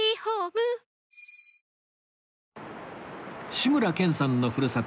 志村けんさんのふるさと